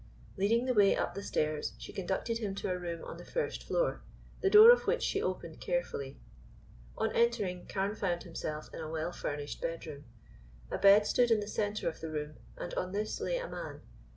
Leading the way up the stairs she conducted him to a room on the first floor, the door of which she opened carefully. On entering, Carne found himself in a well furnished bedroom. A bed stood in the center of the room, and on this lay a man.